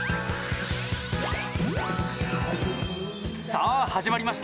さあ始まりました。